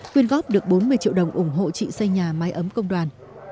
quyên góp được bốn mươi triệu đồng ủng hộ chị xây nhà mái ấm công đoàn